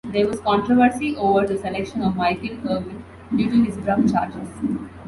There was controversy over the selection of Michael Irvin due to his drug charges.